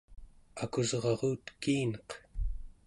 akusrarutekineq